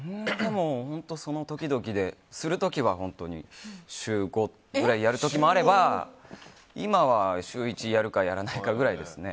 その時々でする時は本当に週５くらいやる時もあれば今は、週１やるかやらないかくらいですね。